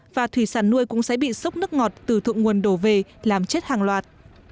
và thủy sản nuôi cũng sẽ bị sốc nước ngọt từ thượng nguồn đổ về làm chết hàng loạt